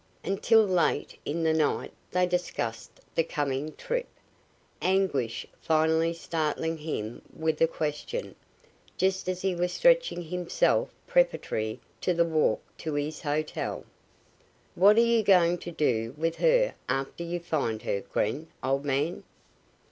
Until late in the night they discussed the coming trip, Anguish finally startling him with a question, just as he was stretching himself preparatory to the walk to his hotel. "What are you going to do with her after you find her, Gren, old man?"